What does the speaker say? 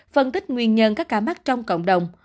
phân tích nguyên nhân các ca mắc trong cộng đồng